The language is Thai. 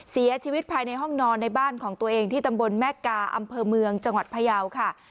เสียชีวิตภายในห้องนอนในบ้านของตัวเองที่ตำบลแม่กาอำเภอเมืองจังหวัดพยาวค่ะ